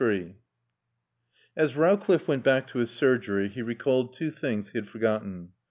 XLIII As Rowcliffe went back to his surgery he recalled two things he had forgotten.